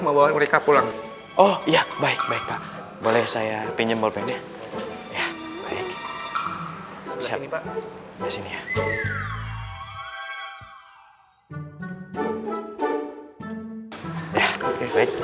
membawa mereka pulang oh iya baik baik boleh saya pinjem bolpede ya baik baik ini pak di sini ya